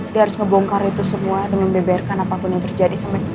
dia harus ngebongkar itu semua dan membeberkan apapun yang terjadi sama din